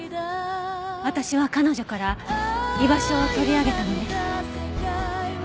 私は彼女から居場所を取り上げたのね。